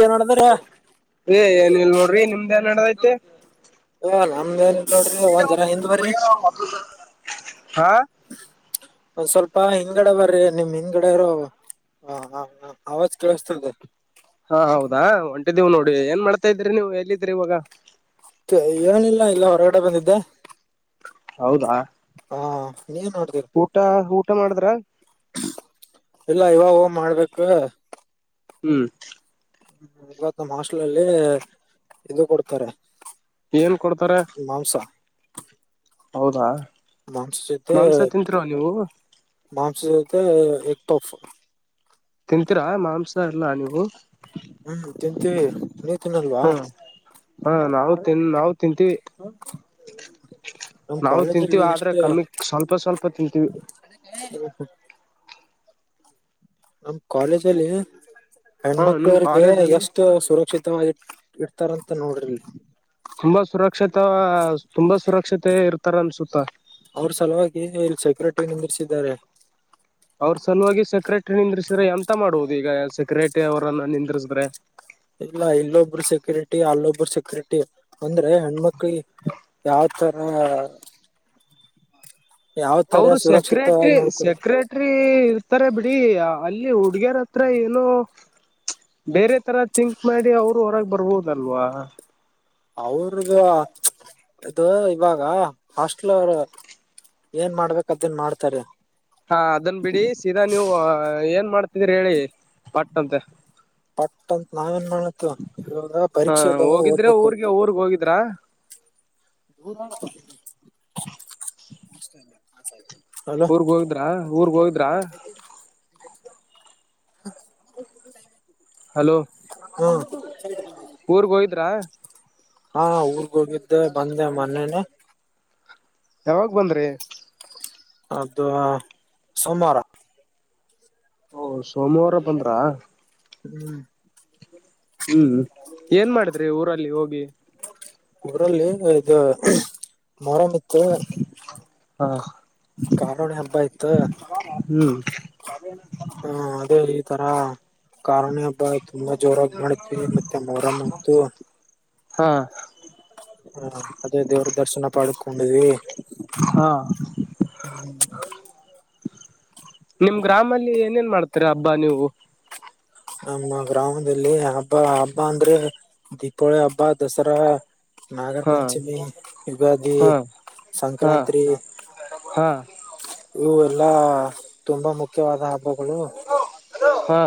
ಏನ್ ನೋಡಿದ್ರ ಏನಿಲ್ ನೋಡ್ರಿ ನಿಮ್ದ್ ಏನ್ ನಡದಐತಿ. ಓಹೋ, ! ನಮ್ದ ಎನಿಲ್ ನೋಡ್ರಿ ಒಂದ್ ಜರ ಹಿಂದ್ ಬರ್ರಿ, ಹಾ, ಒಂದ್ ಸ್ವಲ್ಪ ಹಿಂದಗಡೆ ಬರಿ ನಿಮ್ ಹಿಂದ್ಗಡೆರು. ಹಾ, ಹ ಆವಾಜ್ ಕೇಳಸ್ತದೆ. ೀವು್ [unintelligible] ನೋಡಿ ಏನ್ ಮಾಡ್ತಾ ಇದ್ರಿ ನೀವು ಎಲ್ಲಿದ್ರಿ ಇವಾಗ. ಏನಿಲ್ಲ ಇಲ್ಲೆ ಹೊರಗಡೆ ಬಂದಿದ್ದೆ. ಹೌದಾ! ಆ ನೀನ್ ನೋಡ್ತೀರ ಊಟ -ಊಟ ಮಾಡಿದ್ರಾ., ಇಲ್ಲ ಇವಗ ಹೋಗ ಮಾಡ್ಬೇಕ. ಹ್ಮ್ [inaudible] ಹ್ಮ, ಇವತ್ತು ಹಾಸ್ಟೆಲ್ ಅಲ್ಲಿ ಇದು ಕೊಡ್ತಾರೆ. ಏನ್ ಕೊಡ್ತಾರೆ ಮಾಂಸ ಮಾಂಸ ಸತೆ ಮಾಂಸ ತಿಂತೀರ ನೀವು ಮಾಂಸ ಸತೆ ಎ ತೋಫ ತಿಂತೀರಾ ಮಾಂಸ ಎಲ್ಲ ನೀವು ಹ್ಮ್ ತಿಂತ ಹ್ಮ ಹಾ ನಾವು ತಿನ್ ನಾವು ತಿಂತೀವಿ ನಮ್ ನಾವು ತಿಂತೀವಿ ಕಾಲೇಜಲ್ಲಿ ಆದ್ರೆ ಎಷ್ಟು ಕಮ್ಮಿ ಸ್ವಲ್ಪ ಸ್ವಲ್ಪ ತಿಂತೀವಿ ಹ ನಮ್ಮ್ ಕಾಲೇಜಲ್ಲಿ ಹಾ ನಿಮ್ ಹೆಣ್ಮಕ್ಳವಿಗೆ ಕಾಲೇಜ್ ಅಲ್ಲಿ ಎಷ್ಟು ಸುರಕ್ಷಿತವಾಗಿ ಇಡ್ತಾರಂತ ನೋಡ್ರಿ ತುಂಬಾ ಸುರಕ್ಷತ ತುಂಬಾ ಸುರಕ್ಷತೆ ಇರ್ತಾರ ಅನ್ಸುತ್ತ ಅವ್ರ ಸಲುವಾಗಿ ಇಲ್ಲಿ ಸೆಕ್ಯೂರಿಟಿ ನಿಂದಿರ್ಿಸಿದ್ದಾರೆ ಅವ್ರ ಸಲುವಾಗಿ ಸೆಕ್ರೆಟರಿ ನಿಂದ್ರಿಸಿದ್ರೆ ಎಂತ ಮಾಡುವುದು ಈಗ ಸೆಕ್ರೆಟರಿ ಅವರನ್ನ ನಿಂದ್ರಿಸಿದ್ರೆ ಇಲ್ಲ ಇಲ್ಲೊಬ್ಬರು ಸೆಕ್ಯೂರಿಟಿ ಅಲ್ಲೊಬ್ಬರು ಸೆಕ್ಯೂರಿಟಿ ಅಂದ್ರೆ ಹೆಣ್ಮಕ್ಳಿ ಯಾವ ತರ ಯಾವ ತರ ಅವರು ಸೆಕ್ರೆಟ್ರಿ ಸುರಕ್ಷಿತವಾಗಿ ನೋಡ್ಕೊ ಸೆಕ್ರೆಟ್ರ ಹತ್ತಾರೆ ಬಿಡಿ ಅಲ್ಲಿ ಹುಡ್ಗ್ಯರ ಹತ್ರ ಏನು ಬೇರೆ ತರ ತಿಿಂಕ್ ಮಾಡಿ ಅವರು ಹೊರಗ್ ಬರ್ಬೋದಲ್ವಾ ಅವ್ರಗ ಇದು ಇವಾಗ ಹಾಸ್ಟ್ೆಲ್ ಅವರು ಏನ್ ಮಾಡ್ಬೇಕ್ದನ್ ಮಾಡ್ತಾರೆ ಹಾ ಅದನ್ ಬಿಡಿ ಸೀದಾ ನೀವು ಏನ್ ಮಾಡ್ತಿದೀರಿಿ ಹೇಳಿ ಪಟ್ ಅಂತೆ ಪಟ್ಟಂತ ನಾವೇಏನ್ ಮಾಡ್ಲತಿವ ಇವಾಗ ಹ ಪರೀಕ್ಷೆದಾಗ ಹೋಗಿದ್ರೆ ಓದ್ಬೇಕಕ್ ಹೋಗ ಊರ್ಗೆ ಊರ್ಗ್ ಹೋಗಿದ್ರಾ ದ ಊರ್ಗ್ ಹೋಗಿದ್ರ ಊರ್ಗ್ ಹೋಗಿದ್ರ ಹಲೋ ಹ್ಮ ಊರ್ಗೋೋಗಿದ್ರಾ ಹಾ ಊರ್ಗ್ ಹೋಗಿದ್ದೆ ಬಂದೆ ಮೊನೇನೆೇ ಯಾವಾಗ ಬಂದ್ರಿ ಅದು ಸಮಾರ ಓ ಸೋಮವಾರ ಬಂದ್ರ ಹ್ಮ್ ಹ್ಮ್ ಏನ್ ಮಾಡಿದ್ರಿ ಊರಲ್ಲಿ ಹೋಗಿ ಮರಮಕ್ಕೆ ಹ ಕಾಲೋಣಿ ಹಬ್ಬ ಆಯ್ತ ಹ್ಮ್ ಹಾ ಅದೇ ಆ ತರ ಕೋನಿ ಹಬ್ಬ ತುಂಬಾ ಜೋರಾಗಿ ಮಾಡತಿವಿ ಮತ್ತೆ ಮರ್ು ಹಾ ಹಾ ಅದೇ ದೇವ್ರ ದರ್ಶನ ಪಡುತ್ತೆ ಹೊಂಡ ಹಾ ನಿಮ್ ಗ್ರಾಮಲ್ಲಿ ಏನೇನ್ ಮಾಡ್ತಾರೆ ಹಬ್ಬಾ ನೀವು ನಮ್ಮ ಗ್ರಾಮದಲ್ಲಿ ಹಬ್ಬ ಹಬ್ಬ ಅಂದ್ರೆ ದೀಪಾವಳಿ ಹಬ್ಬ ದಸರಾ ನಾಗರ ಹಾ ಪಂಚಮಿ ಯುಗಾದಿ ಹಾ ಹಾ ಸಂಕ್ರಾಂತಿ ಹಾ ಇವು ಎಲ್ಲಾ ತುಂಬಾ ಮುಖ್ಯವಾದ ಹಬ್ಬಗಳು ಹಾ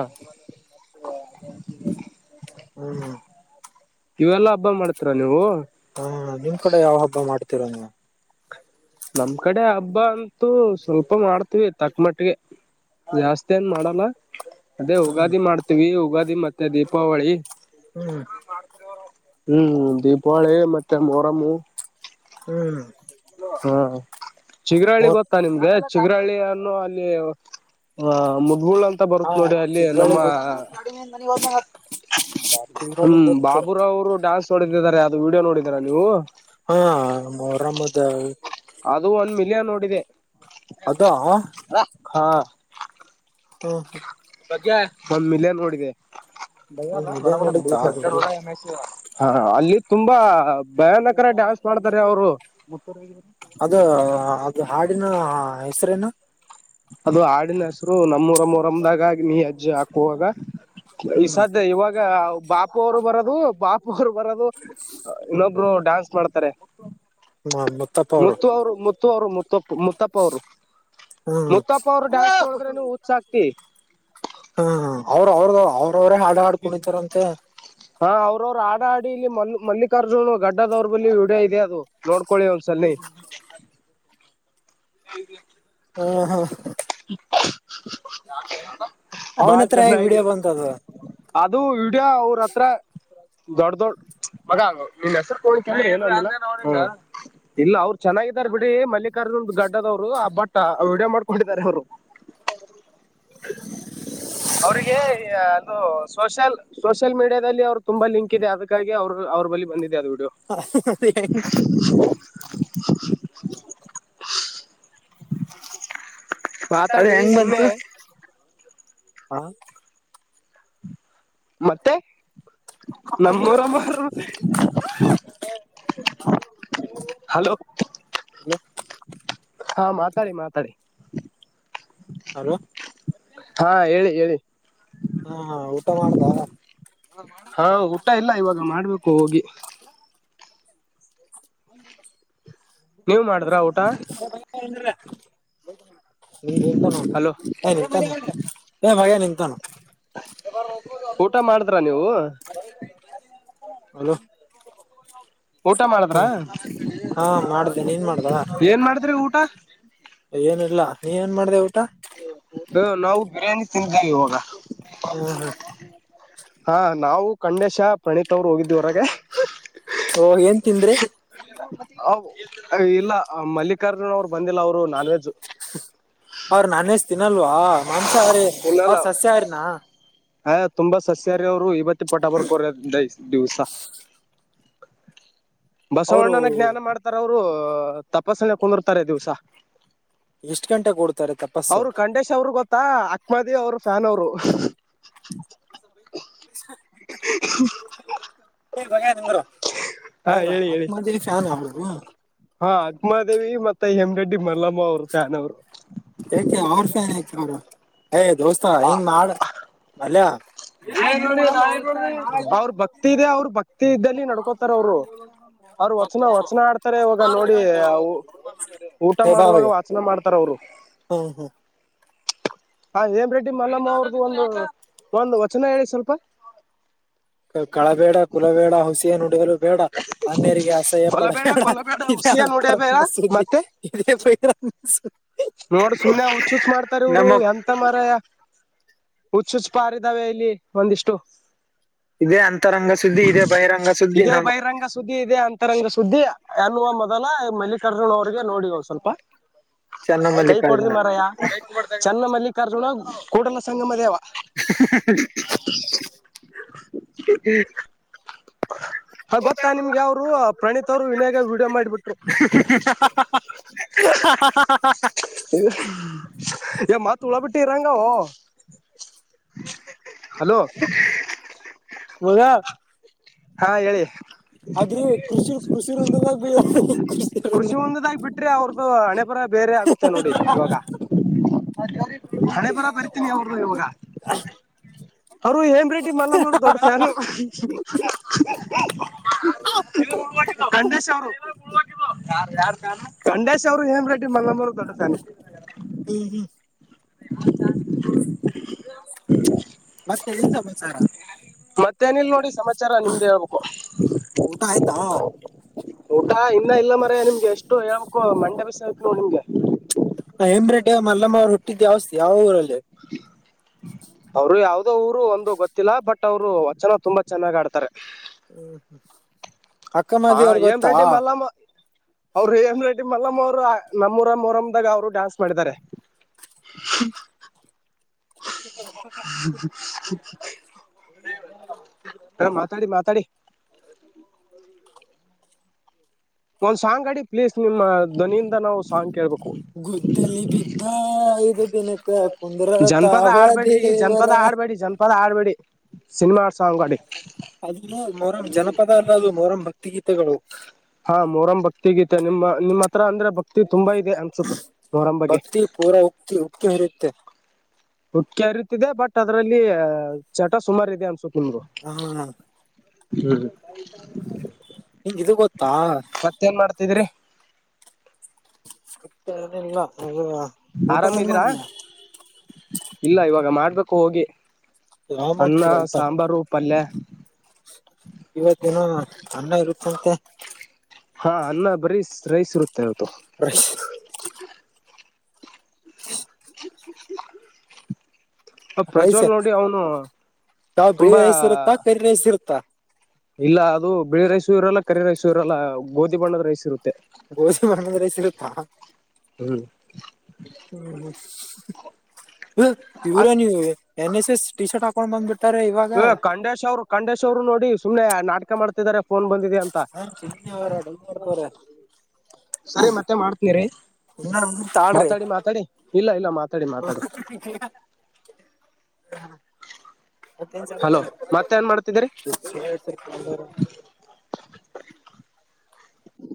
ಹ್ಮ್ ಇವೆಲ್ಲಾ ಹಬ್ಬ ಮಾಡ್ತೀರಾ ನೀವು ಹಾ ನಿಮ್ ಕಡೆ ಯಾವ ಹಬ್ಬ ಮಾಡ್ತಿೀರೋ ನೀವ ನಮ್ ಕಡೆ ಹಬ್ಬ ಅಂತೂ ಸ್ವಲ್ಪ ಮಾಡ್ತವಿ ತಕ್ ಮಟ್ಟಿಗೆ ಜಾಸ್ತಿ ಏನ್ ಮಾಡಲ್ಲ ಅದೇ ಹ್ಮ್ ಯುಗಾದಿ ಮಾಡ್ತೀವಿ ಯುಗಾದಿ ಮತ್ತೆ ದೀಪಾವಳಿ ಹ್ಮ್ ಹ್ಮ್ ದೀಪಾವಳಿ ಮತ್ತೆ ಮೊರಮು ಹ್ಮ್ ಹಾ ಮೊ ಚಿಗರಳ್ಳಿ ಗೊತ್ತಾ ನಿಮ್ಗೆ ಚಿಗರಳ್ಳಿನ್ನು ಅಲ್ಲಿ ಹ ಮುದ್ಗುಳ್ ಅಂತ ಹಾ ಬರುತ್ ನೋಡಿ ಅಲ್ಲಿ ನಮ್ಮ ಚಿತ್ರಳಿ ಗೊತ್ ಚಿತ್ರಳಿ ಹ್ಮ್ ಗೊತ್ತು ಬಾಬುರಾವ್ರು ಡಾನ್ಸ್ ನೋಡಿದಿದ್ದಾರೆ ಯಾವ್ದು ವಿೀಡಿಯೋ ನೋಡಿದೀರ ನೀವು. ಹಾರಾಮದ. ಅದು ಒಂದ ಮಿಲಿಯನ್ ನೋಡಿದೆ ಅದ ಹಾ. ಹ್ಮ ಹ್ಮ. ಬದ್ಯಾ ಒಂದ್ ಮಿಲಿಯನ್ ನೋಡಿದೆ. ಒಂದ್ ವಿಡಿಯೋ ನೋಡಿತ್ತ ಅದು ಅಲ್ಲಿ. ತುಂಬಾ ಭಯಾನಕರ ಡ್ಯಾವೆನ್ಸ್ ಮಾಡ್ತಾರೆ ಅವರು. ಅದ ಅದು ಹಾಡಿನ ಹೆಸ್ರೇನು. ಅದು ಆಡಿನ ಹೆಸರು ನಮ್ಮಊರಮ್ಮರಮ್ದಾಗಗ ನೀ. ಅಜ್ಜಿ ಹಾಕುವಾಗ ಈ ಹ್ಮ್ ಸಾಧ್ಯ ಇವಾಗ ಬಾಪು ಅವರು ಬರೋದು. ಬಾಪು ಅವರು ಬರೋದು ಇನ್ನೊಬ್ರು ಡಾನ್ಸ್ ಮಾಡ್ತಾರೆ. ಮುತ್ತು ಅವರು ಮುತ್ತು ಅವರು ಮುತ್ತಪ್ಪ ಮುತ್ತಪ್ಪ ಅವರು. ಹ್ಮ್ ಮುತ್ತಪ್ಪ ಅವ್ರರು ಡ್ಯಾಸ್ ಹೋ್ರನು ಉತ್ಸ ಆಕ್ತಿ. ಹಾ ಅವ್ರ ಅವ್ರದ ಅವ್ರ ಅವ್ರೇ ಹಾಡು ಹಾಡ್ ಕುೊಂಡಿತಾರಂತೆ. ಅವ್ರರು ಆಡ ಆಡಿ ಇಲ್ಲಿ ಮ ಮಲ್ಲಿಕಾರ್ಜುನ ಗಡ್ಡದವ್ರ ಬಲ್ಲಿ ವಿಡಿಯೋ ಇದೆ ಅದು ನೋಡ್ಕೊಳ್ಳಿ ಒಂದ್ಸಲಿ. [unintelligible] ಹ. ಹಾ ಹಾ. ಬಾ ಅವನ ಹತ್ರ ಚೆನ್ನ. ಹೇಗ್ ವಿಡಿಯೋ ಬಂತದ ಅದು ಇಡ್ಯ ಅವ್ರ ಹತ್ರ. ದೊಡ್ ದೊಡ್ ಮಗ ನಿನ್ ಹೆಸರುೋಗ್ರ ಏ. ಇಲ್ಲ ಅವ್ರು ಚೆನ್ನಾಗಿದ್ದಾರೆ ಬಿಡಿ ಮಲ್ಲಿಕಾರ್ಜುನ್ ಗಡ್ಡದವ್ರು ಆ ಬಟ್ಟ ವಿಡಿಯೋ ಮಾಡ್ಕೊಂಡಿದಿದ್ದಾರೆ ಅವ್ರು. [unintelligible] ಅವ್ರಿಗೆ ಅದು ಸೋಷಿಯಲ್ ಸೋಷಿಯಲ್ ಮೀಡಿಯಾದಲ್ಲಿ ಅವರು ತುಂಬಾ ಲಿಂಕ್ ಇದೆ ಅದಕ್ಕಾಗಿ ಅವ್ರ ಅವ ಬ. ಬಂದಿದೆದು. ಹ. ಅದ ಮಾತಾಡ್ರಿ ಹೆಂಗ ಸುಮ್ನೆ ಬಂತು ಹ. ಮತ್ತೆ ನಮ್ಮೂರಮ್ಮ. ಹಲೋ ಹಲೋ ಹಾ ಮಾ. ತಾರಿ ಮಾತಾರಿ. ಹಲೋ. ಹಾ ಹೇಳಿ ಹೇಳಿ. ಹಾ ಊಟ ಮಾಡ್ದ. ಹಾ ಊಟ ಇಲ್ಲ ಇವಾಗ ಮಾಡ್ಬೇಕು ಹೋಗಿ. [unintelligible] ನೀವ್ ಮಾಡಿದ್ರ ಊಟ ನಿ ನಿಂತಾನ ಹಲೋ ಏ ನಿಂತಾನ ಏ ಭಯ ನಿಂತಾನು. ಊಟ ಮಾಡಿದ್ರ ನೀವು. ಹಲೋ. ಊಟ ಮಾಡಿದ್ರ ಹ್ಮ ಹಾ ಮಾಡ್ದ ನೀನ್ ಮಾಡ್ದ. ಏನ್ ಮಾಡಿದ್ರಿ ಊಟ ಏನ ಇಿಲ್ಲ ನೀ ಏನ್ ಮಾಡ್ದವು. ಹ ನಾವು ಬಿರಿಾನಿ ತಿಿಂದೇವಿ. ಹ್ಮ್ ಹ್ಮ್ ಹಾ ನಾವು. ಖಂಡೇಶ ಪ್ರಣೀತ್ ಅವ್ರು ಹೋಗಿದ್ವಿ ಹೊರಗೆ. ಓ ಏನ್ ತಿಂದ್ರಿ. ಇಲ್ಲ ಮಲ್ಲಿಕಾರ್ಜುನ್ ಅವರು ಬಂದಿಲ್ಲ ಅವ್ರು ನಾನ್ ವೆಜ್. ಅವ್ರ ನಾನಷ್ಟ ತಿಿನಲ್ವಾ ಮಾಂಸ ಅವ್ರ ಅವ್ರ ತಿನ್ನಲ್ಲ ಸಸ್ಯ ಅವ್ರನಾ. ಹ ತುಂಬಾ ಸಸ್ಯಾರ ಅವರು ಇವತ್ತ ಪಟ ಬರ್ಕೋರ ದಿವ್ಸ. ಅವರು ಬಸವಣ್ಣನ ಜ್ಞಾನ ಮಾಡ್ತಾರ ಅವ್ರು ತಪಸ್ಸನ ಕುಂದಿರ್ತಾರೆ ದಿವ್ಸ. ಎಷ್ಟು ಗಂಟೆ ಕೊಡ್ತಾರೆ ತಪಸ್ಸು. ಮತ್ತಾ ಅಕ್ಮದಿ ಅವರು ಫ್ಯಾನ್ ಅವರು. [unintelligible] ಹಾ ಅವ್ರ ಹೇಳಿ ಹೇಳಿ ಆತ್ಮಹತ್ತೆಗೆ ಫನ್ ನೀವು ಉಮಾದೇವಿ ಮತ್ತೆ ಹೆಮರೆಡ್ಡಿ ಮಲ್ಲಮ್ಮ ಅವರು ಫ್ಯಾನ್ ಅವರು ಯಾಕೆ ಅವ್ರ ಫ್ಯಾನ್ ಏ ದೋಸ್ತಾ ಹೆಂಗ್ ಮಾಡ ಹೆಲೋ [unintelligible] ಅವ್ರ ಭಕ್ತಿ ಇದೆ ಅವ್ರ ಭಕ್ತಿ ಇದ್ದಲ್ಲಿ ನಡ್ಕೋತಾರ ಅವರು ಅವ್ರ ವಚನ ವಚನ ಆಡ್ತಾರೆ ಇವಾಗ ನೋಡಿ ಊಟ ಮಾಡುವಾಗ ವಾಚನ ಮಾಡ್ತಾರ ಅವ್ರು ಹವ್ದು ಹೇಮಾರೆಡ್ಡಿ ಮಲ್ಲಮ್ಮ ಅವ್ರ್ದು ಒಂದು ಒಂದು ವಚನ ಹೇಳಿ ಸ್ವಲ್ಪ ಕಳಬೇಡ ಕುಲಬೇಡ ಹುಸಿಯ ನಡಿಯಲು ಬೇಡ ಅನ್ಯರಿಗೆ ಅಸಹ್ಯ ಪಡ ಕೊಲ್ಲಬೇಡ ಬೇಡ ಕೊಲ್ಲಬೇಡ ಹುಸಿಯ ಇದಂತ ನೋಡಬೇಡ ಸುದ್ದಿ ಮತ್ತೆ [inaudible] ನೋಡ್ ಸುಮ್ನೆ ಹುಚ್ಚುಚ್ ಮಾಡ್ತಾರ ಇವರು ನಮ್ಮ ಎಂತ ಮಾರಾಯ ಹುಚ್ಚುಚ್ ಪಾರಿದಾವೆ ಇಲ್ಲಿ ಒಂದಿಷ್ಟು ಇದೆ ಅಂತ ಇದೆ ಬಹಿರಂಗ ಸುದ್ದಿ ಇದೆ ಅಂತರಂಗ ಸುದ್ದಿ ಅನ್ನುವ ಮ ದಲ್ಲ ಮಲ್ಲಿಕಾರ್ಜುನ ಅವ್ರಿಗೆ ನೋಡಿ ಅವ ಸ್ವಲ್ಪ ಚೆನ್ನ ಕೈ ಕೊಡ್ರಿ ಮಲ್ಲಿಕಾರ್ಜುನ ಮರೆಯ ಚನ್ನ ಮಲ್ಲಿಕಾರ್ಜುನ ಕೂಡಲ ಸಂಗಮ ದೇವ ಹ ಗೊತ್ತಾ ನಿಮ್ಗೆ ಅವಾವ್ರು ಪ್ರಣೀತ್ ಅವ್ರು ವನ್ಯಾಗ ವಿಡಿಯೋ ಮಾಡಿಬಿಟ್ರು [unintelligible] ಓ ಮತ ಹೊಲತುಳಬಟ್ಟಿ ಇರಾಂಗರೋ ಹಲೋ ಮಗ ಹಾ ಹೇಳಿ ಅದ್ರಿ ಕೃಷಿ ಕೃಷಿ ವೃಂದದಾಗ ಬೀಳ ವೃಂದ. ಕೃಷಿ ಒಂದದಾಗಿಬ ಬಿಟ್ರಿ ಅವ್ರ್ದು ಹಣೆಬರ ಬೇರೆ ಆಗುತ್ತೆ ನೋಡಿ ಇವಾಗ ಹಣೆಬರ ಬರಿತೀನಿ ಅವ್ರ ಇವಾಗ [inaudible] ಅವರು ಹೇಮಾರೇಟಿ ಮಲ್ಲಮ್ಮ ಅವರು ದೊಡ್ಡ ಫ್ಯಾನು [inaudible] [unintelligible] ಗಂಡೇಶ್ ಅವರು ಯಾರ್ ಯಾರು ಫನ್ ಗಂಡೇಶ್ ಅವರು ಹೇಮ್ರೆಡಿ ಮಲ್ಲಮ್ಮರು ದೊಡ್ಡ ಫನ್ [inaudible] ಮತ್ತೆ ಏನ್ ಸಮಾಚಾರ ಮತ್ತೆ ಏನು ಇಲ್ಲ ನೋಡಿ ಸಮಾಚಾರ ನಿಮ್ದೇ ಹೇಳ್ಬೇಕು ಊಟ ಆಯ್ತಾ ಊಟ ಇನ್ನ ಇಲ್ಲ ಮಾರಾಯ ನಿಮ್ಗೆ ಎಷ್ಟು ಹೇಳ್ಕು ಮಂಡೆ ಬಿಸ ಆತ ನೋ ನಿಮ್ಗೆ [inaudible] ಹೆಂಬ್ರೇಟೆ ಮಲ್ಲಮ್ಮ ಅವ್ರು ಹುಟ್ಟಿದ ಯಾವಸ್ಥತಿ ಯಾವ ಊರಲ್ಲಿ ಅವರು ಯಾವದೋ ಊರು ಒಂದು ಗೊತ್ತಿಲ್ಲ ಬಟ್ ಅವ್ರು ವಚನ ತುಂಬಾ ಚೆನ್ನಾಗ್ ಆಡ್ತಾರೆ ಹ್ಮ್ ಹ್ಮ್ ಹಾ ಏಮರೆಡ್ಡಿ ಮಲ್ಲಮ್ಮ ಅವ್ರ ಏಮರೆಡಿ ಮಲ್ಲಮ್ಮ್ ಅವರು ನಮ್ಮೂರ ರಮ್ದಾಗ ಅವರು ಡಾನ್ಸ್ ಮಾಡಿದ್ದಾರೆ [unintelligible] ಹ ಮಾತಾಡಿ ಮಾತಾಡಿ [inaudible] ಒಂದ್ ಸಾಂಗ್ ಅಡೆ ಪ್ಲೀಸ್ ನಿಮ್ಮ ಧ್ನಿಯಿಂದ ನಾವು ಸಾಂಗ್ ಕೇಳ್ಬೇಕು ಗುದ್ದಲಿ ಬಿದ್ದ ಐದು ದಿನಕ್ಕ ಕುಂದ್ರ ಜನ ಜನಪದ ತಾವ ಆಡ್ಬೇಡ್ರಿ ಜನಪದ ದೇವರ ಆಡ್ಬೇಡಿ ಜನಪದ ಆಡ್ಬೇಡಿ ಸಿನಿಮಾ ಸಂಗ್ ಅಡಿ ಅದು ಮೊರಮ್ ಜನಪದ ಅಲ್ಲದು ಮೋರಮ್ ಭಕ್ತಿ ಗೀತೆಗಳು ಹಾ ಮೊಹರಂ ಭಕ್ತಿ ಗೀತೆ ನಿಮ್ಮ ನಿಮ್ಮ್ ಹತ್ರ ಅಂದ್ರೆ ಭಕ್ತಿ ತುಂಬಾ ಇದೆ ಅನ್ಸುತ್ತ ಮೊಹರಂ ಬಗ್ಗೆ ಭಕ್ತಿ ಪೂರಾ ಉಕ್ತಿ ಉಕ್ತಿ ಹರಿಯತ್ತೆ ಉಟ್ಟಕಿ ಅರಿತಿದೆ ಬಟ್ ಅದ್ರಲ್ಲಿ ಚಟ ಸುಮಾರು ಇದೆ ಅನ್ಸುತ್ತೆ [unintelligible] ಹ್ಮ್ ನಿಂಗ್ ಇದು ಗೊತ್ತಾ ಮತ್ತೇನ್ ಮಾಡ್ತಿದ್ರಿ [unintelligible] ಊಟ ಏನ್ ಆರಾಮಿದೀರಾ ಮಾಡಿದ್ಯ ಇಲ್ಲ ಇವಾಗ ಮಾಡ್ಬೇಕು ಹೋಗಿ ಯಾವ ಅನ್ನ ಮಾಡ್ತೀರ ಊಟ ಸಾಂಬಾರು ಪಲ್ಯ. ಇವತ್ತ ದಿನ ಅಣ್ಣ ಇರುತ್ತಂತೆ. ಹಾ ಅನ್ನ ಬರೀ ರೈಸ್ ಇರುತ್ತೆ ಇವ್ತ್. ರೈಸ್ [inaudible] [inaudible] ಹ ರೈಸ್ ಪ್ರಜ್ವಲ್ ನೋಡಿ ಅವನು ಯಾವ ಬಿಳಿ ತುಂಬಾ. ರೈಸ್ ಇರುತ್ತಾ ಕರಿ ರೈಸ್ ಇರುತ್ತಾ ಇಲ್ಲ ಅದು ಬಿಳಿ ರೈಸು ಇರಲ್ಲ ಕರಿ ರೈಸು ಇರಲ್ಲ ಗೋಧಿ ಬಣ್ಣದ ರೈಸ್ ಇರುತ್ತೆ. ಗೋಜಿ ಮಣ್ಣಂದ್ ರೈಸಿರುತ್ತಾ. ಹ್ಮ್ ಹ ಇವರ ನೀ N S S T shirt ಹಾಕೊಂಡ್ ಬಂದ್ಬಿಟ್ಟು. ಹ ಖಂಡೇಶ್ ಅವ್ರು ಖಂಡೇಶ್ ಅವ್ರು ನೋಡಿ ಸುಮ್ನೆ ನಾಟಕ ಮಾಡ್ತಿದಿದ್ದಾರೆ. [inaudible] ಸರಿ ಮತ್ತೆ ಮಾಡ್ತನಿರಿ. ಇನ್ನ ತಾಳ್ರಿ ಮಾತಾಡಿ ಮಾತಾಡಿ ಇಲ್ಲ ಇಲ್ಲ ಮಾತಾಡಿ ಮಾತಾಡಿ. ಹಲೋ [inaudible] ಮತ್ತೆ ಏನ್ ಮಾಡ್ತಿದೀರಿ [inaudible] [inaudible]